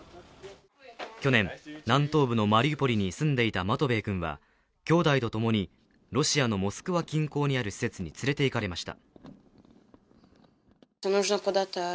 去年、南東部のマリウポリに住んでいたマトベイ君は、兄弟とともにロシアのモスクワ近郊にある施設に連れて行かれました。